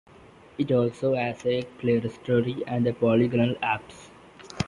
It also has a clerestory and a polygonal apse.